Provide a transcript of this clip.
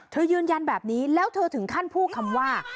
ยืนยันแบบนี้แล้วเธอถึงขั้นพูดคำว่า